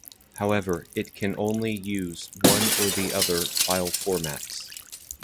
However, it can only use one or the other file formats.